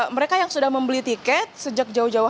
mereka yang sudah membeli tiket sejak jauh jauh